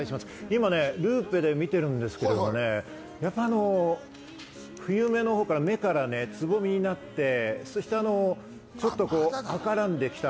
今、ルーペで見てるんですけどね、やっぱりあの、芽からつぼみになって、ちょっと赤らんできた。